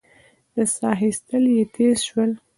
د سا اخېستل يې تېز شول.